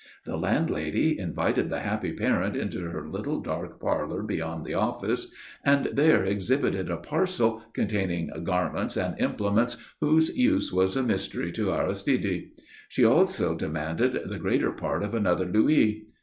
The landlady invited the happy parent into her little dark parlour beyond the office, and there exhibited a parcel containing garments and implements whose use was a mystery to Aristide. She also demanded the greater part of another louis.